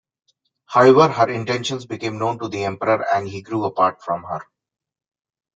However, her intentions became known to the emperor and he grew apart from her.